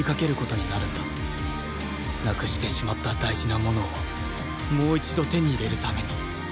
なくしてしまった大事なものをもう一度手に入れるために